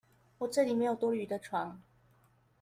我這裡沒有多餘的床